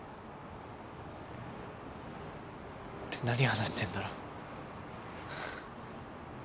何話してんだろ。